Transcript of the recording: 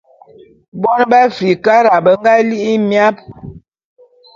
Bone be Afrikara fe be nga li'i émiap.